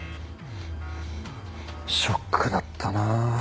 ショックだったな。